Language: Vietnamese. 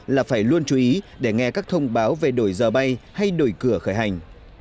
là phải luôn chú ý để nghe các thông báo về đổi giờ bay hay đổi cửa khởi hành